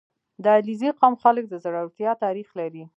• د علیزي قوم خلک د زړورتیا تاریخ لري.